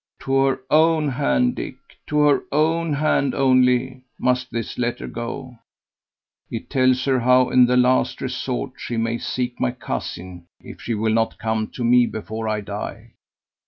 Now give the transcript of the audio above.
To her own hand, Dick, to her own hand only, must this letter go. It tells her how, in the last resort, she may seek my cousin, if she will not come to me before I die.